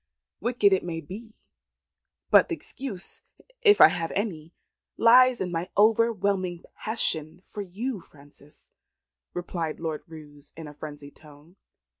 "Wicked it may be; but the excuse if I have any lies in my overwhelming passion for you, Frances," replied Lord Roos in a frenzied tone.